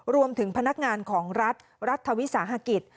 รวมถึงพนักงานของรัฐรัฐวิสาหกิจ